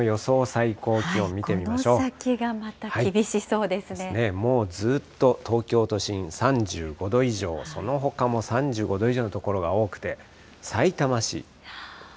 最高気温見てこの先がまた、厳しそうですですね、もうずっと東京都心３５度以上、そのほかも３５度以上の所が多くて、さいたま市。